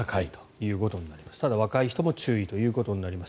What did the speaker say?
ただ、若い人も注意ということになります。